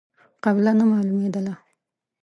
قبله نه مالومېدله.